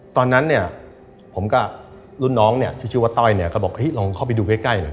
ตอนนั้นเนี่ยผมกับรุ่นน้องเนี่ยที่ชื่อว่าต้อยเนี่ยก็บอกลองเข้าไปดูใกล้หน่อย